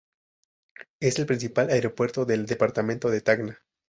Es el principal aeropuerto del departamento de Tacna.